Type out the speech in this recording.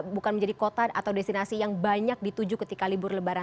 bukan menjadi kota atau destinasi yang banyak dituju ketika libur lebaran